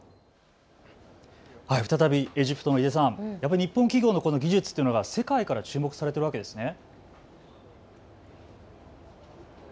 再びエジプトの井出さん、日本企業の技術が世界で注目されているわけですね。